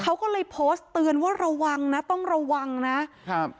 เขาก็เลยโพสต์เตือนว่าระวังนะต้องระวังนะครับ